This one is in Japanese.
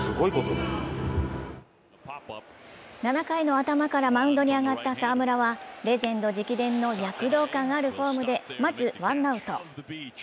７回の頭からマウンドに上がった澤村はレジェンド直伝の躍動感あるフォームでまずワンアウト。